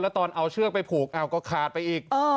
ตอนเอาเชือกไปผูกก็ขาดไปอีก